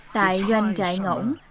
tại doanh trại ngỗng